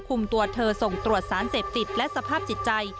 คุมตัวเธอส่งตรวจสารเสพติดและสภาพจิตใจ